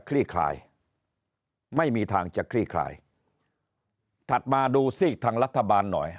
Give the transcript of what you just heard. ลี่คลายไม่มีทางจะคลี่คลายถัดมาดูซีกทางรัฐบาลหน่อย